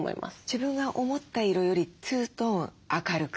自分が思った色より２トーン明るく？